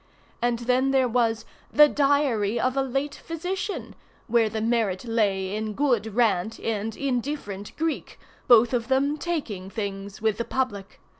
And then there was 'The Diary of a Late Physician,' where the merit lay in good rant, and indifferent Greek—both of them taking things with the public.